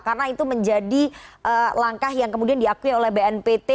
karena itu menjadi langkah yang kemudian diakui oleh bnpt